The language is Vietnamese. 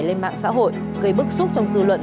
lên mạng xã hội gây bức xúc trong dư luận